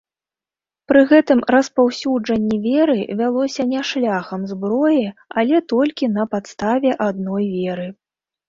Пры гэтым распаўсюджанне веры вялося не шляхам зброі, але толькі на падставе адной веры.